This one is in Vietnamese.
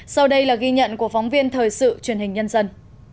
sau đây là ghi nhận của phóng viên thời sự truyền hình nhân dân